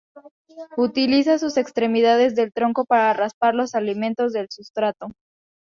Utiliza sus extremidades del tronco para raspar los alimentos del sustrato.